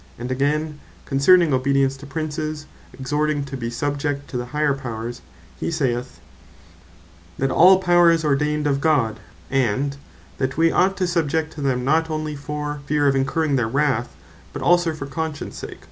And again, concerning obedience to Princes. (Rom. 13. the first 6. verses) exhorting to "be subject to the Higher Powers," he saith, "that all Power is ordained of God;" and "that we ought to be subject to them, not onely for" fear of incurring their "wrath, but also for conscience sake."